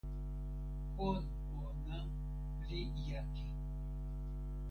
kon ona li jaki.